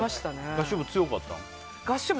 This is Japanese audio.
合唱部強かったの？